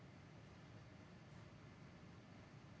mbak dita soal posko pengaduan untuk perusahaan perusahaan yang masih bandel